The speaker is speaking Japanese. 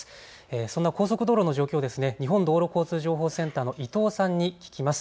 そんな高速道路の状況、日本道路交通情報センターの伊藤さんに聞きます。